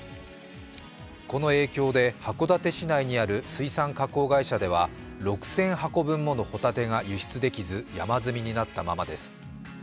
この影響で函館市内にある水産加工会社では６０００箱分もの帆立てが輸出できず山積みになったままです。